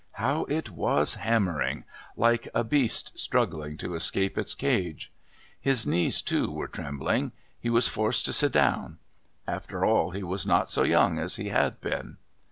How it was hammering! like a beast struggling to escape its cage. His knees, too, were trembling. He was forced to sit down. After all, he was not so young as he had been.